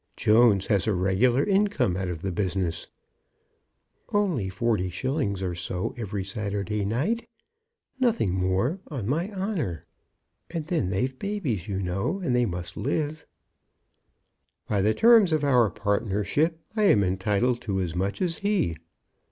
Jones has a regular income out of the business." "Only forty shillings or so on every Saturday night; nothing more, on my honour. And then they've babbies, you know, and they must live." "By the terms of our partnership I am entitled to as much as he."